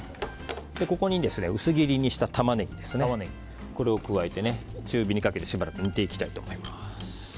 ここに薄切りにしたタマネギを加えて中火にかけてしばらく煮ていきたいと思います。